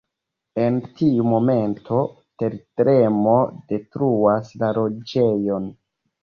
En tiu momento, tertremo detruas la loĝejon.